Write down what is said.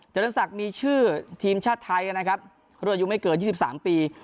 จรศักดิ์มีชื่อทีมชาติไทยนะครับรุ่นอายุไม่เกิน๒๓ปี